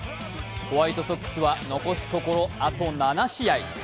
ホワイトソックスは残すところあと７試合。